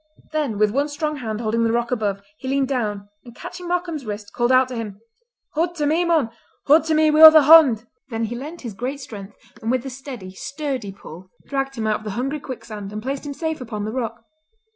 Then with one strong hand holding the rock above, he leaned down, and catching Markam's wrist, called out to him, "Haud to me, mon! Haud to me wi' ither hond!" Then he lent his great strength, and with a steady, sturdy pull, dragged him out of the hungry quicksand and placed him safe upon the rock.